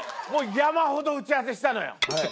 山ほど打ち合わせしたのよ。